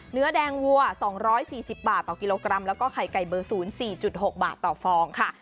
เนื้อแดงวัวสองร้อยสี่สิบบาทต่อกิโลกรัมแล้วก็ไข่ไก่เบอร์ศูนย์สี่จุดหกบาทต่อฟองค่ะ